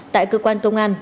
tại cơ quan công an